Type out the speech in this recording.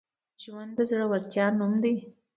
ژوند د زړورتیا نوم دی.